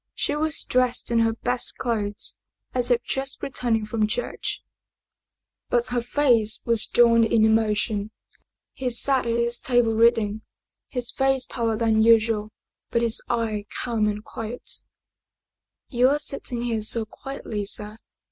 She was dressed in her best 56 Paid Heyse clothes, as if just returning from church, but her face was drawn in emotion. He sat at his table reading, his face paler than usual, but his eye calm and quiet. " You are sitting here so quietly, sir!"